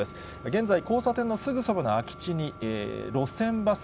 現在、交差点のすぐそばの空き地に路線バス、